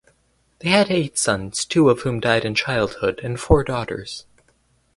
They had eight sons (two of whom died in childhood) and four daughters.